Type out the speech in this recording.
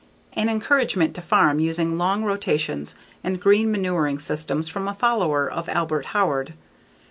An encouragement to farm using long rotations and green manuring systems from a follower of Albert Howard.